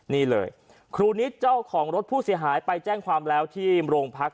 นี่เลยครูนิดเจ้าของรถผู้เสียหายไปแจ้งความแล้วที่โรงพัก